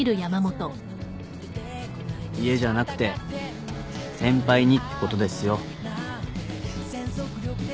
家じゃなくて先輩にってことですよ。